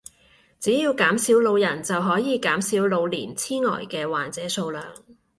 只要減少老人就可以減少老年癡呆嘅患者數量